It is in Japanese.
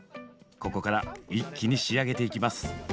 ここから一気に仕上げていきます。